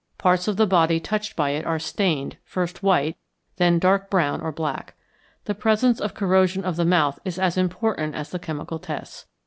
Parts of the body touched by it are stained, first white, and then dark brown or black. The presence of corrosion of the mouth is as important as the chemical tests.